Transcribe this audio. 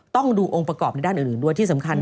ต้องดูองค์ประกอบในด้านอื่นด้วยที่สำคัญ